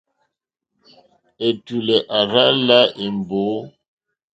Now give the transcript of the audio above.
Ɛ̀tùlɛ̀ à rzá lā èmbǒ.